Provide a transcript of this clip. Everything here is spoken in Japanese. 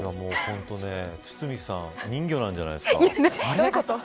堤さん人魚なんじゃないですか。